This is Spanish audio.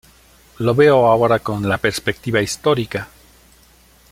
Lo veo ahora con la perspectiva histórica.